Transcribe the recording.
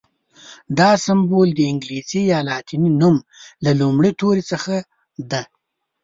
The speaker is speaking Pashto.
دا سمبول د انګلیسي یا لاتیني نوم له لومړي توري څخه دی.